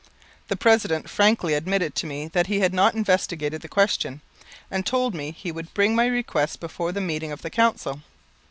The President frankly admitted to me that he had not investigated the question, and told me he would bring my request before the next meeting of the Council.